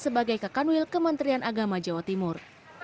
sebagai kakanwil kementerian agama jawa timur